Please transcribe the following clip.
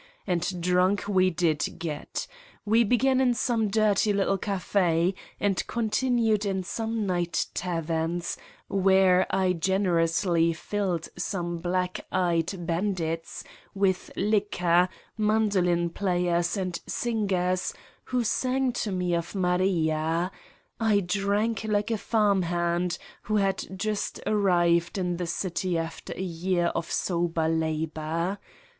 And drunk we did get ! We began in some dirty little cafe and continued in some night taverns where I generously filled some black eyed bandits with liquor, mandolin players and singers, who sang to me of Maria : I drank like a farm hand who had just arrived in the city after a year of sober labor.